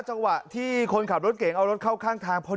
จังหวะที่คนขับรถเก่งเอารถเข้าข้างทางพอดี